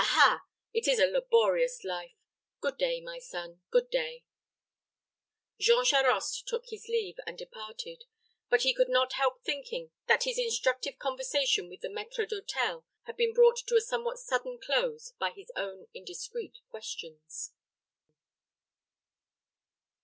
Ah, ha! It is a laborious life. Good day, my son good day." Jean Charost took his leave, and departed; but he could not help thinking that his instructive conversation with the maître d'hôtel had been brought to a somewhat sudden close by his own indiscreet questions.